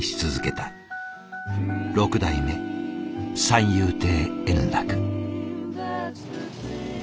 六代目三遊亭円楽。